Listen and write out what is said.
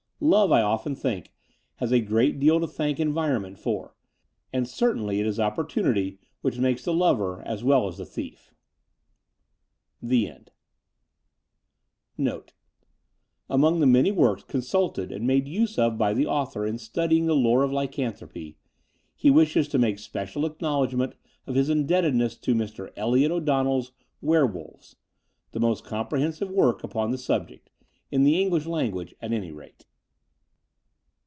Love, I often think, has a great deal to thank environment for : and certainly it is opportimity which makes the lover as well as the thief. THE END NOTE. Amongst the many works consulted and made use of by the author in studying the lore of lycanthropy, he wishes to make special acknowledgment of his indebtedness to Mr. Elliott O'Donnell's Werewolves, the most comprehensive work upon the subject — in the English language, at any rate.